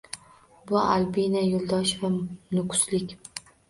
Bu Albina Yo'ldoshev, nukuslik